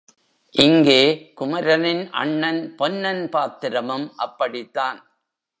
இங்கே குமரனின் அண்ணன் பொன்னன் பாத்திரமும் அப்படித்தான்.